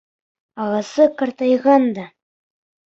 Ағасы ҡартайған да...